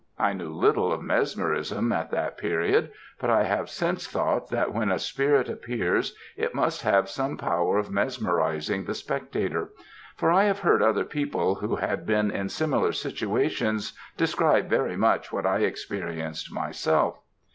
I knew little of mesmerism at that period, but I have since thought that when a spirit appears, it must have some power of mesmerising the spectator; for I have heard other people who had been in similar situations describe very much what I experienced myself.